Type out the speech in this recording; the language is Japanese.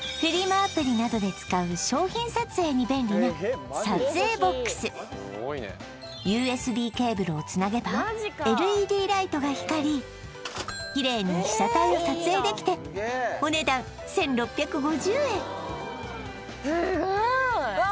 アプリなどで使うＵＳＢケーブルをつなげばＬＥＤライトが光りキレイに被写体を撮影できてお値段１６５０円